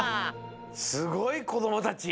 すごいこどもたち。